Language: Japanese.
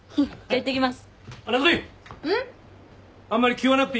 いってきます！